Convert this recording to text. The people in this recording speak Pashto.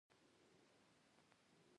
احمد ټول ايران مال په کابل کې اوبه کړ.